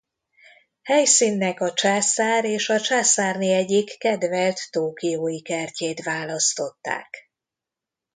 Helyszínnek a császár és a császárné egyik kedvelt tokiói kertjét választották.